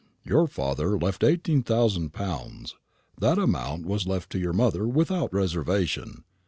"Your father left eighteen thousand pounds; that amount was left to your mother without reservation.